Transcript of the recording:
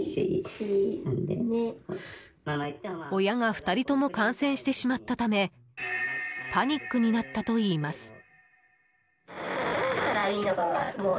親が２人共感染してしまったためパニックになったといいます。